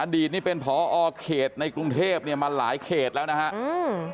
อดีตเป็นผอเขตในกรุงเทพฯมาหลายเขตแล้วนะครับ